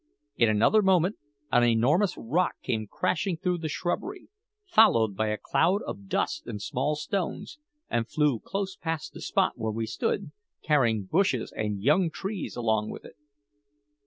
In another moment an enormous rock came crashing through the shrubbery, followed by a cloud of dust and small stones, and flew close past the spot where we stood, carrying bushes and young trees along with it.